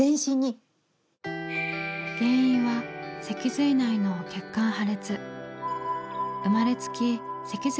原因は脊髄内の血管破裂。